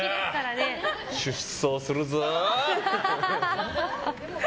出走するぞ！